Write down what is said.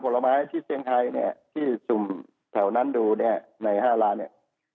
และเป็นลดเล่